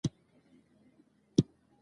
موږ نه غوښتل له المانیانو سره ښکر په ښکر شو.